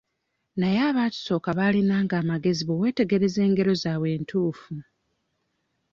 Naye abaatusooka balinanga amagezi bwe weetegereza engero zaabwe ntuufu.